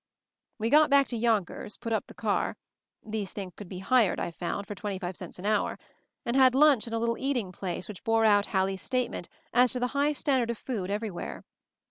We got back to Yonkers, put up the car — these things could be hired, I found, for twenty five cents an hour — and had lunch in a little eating place which bore out Hal lie's statement as to the high standard of food everywhere.